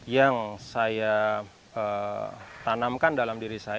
yang saya tanamkan dalam diri saya